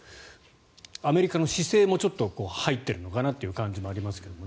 アメリカの姿勢もちょっと入っているのかなという感じもありますけどね。